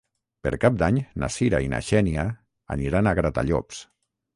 Per Cap d'Any na Cira i na Xènia aniran a Gratallops.